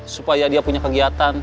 supaya dia punya kegiatan